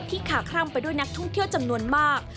ที่ขาขรั่งไปด้วยนักท่องเที่ยวจำนวนมาก